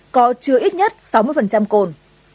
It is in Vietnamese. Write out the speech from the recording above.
có chứa ít nhất sáu mươi cồn